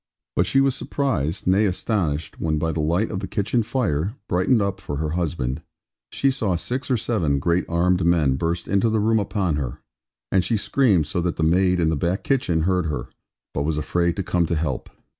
But she was surprised, nay astonished, when by the light of the kitchen fire (brightened up for her husband), she saw six or seven great armed men burst into the room upon her; and she screamed so that the maid in the back kitchen heard her, but was afraid to come to help.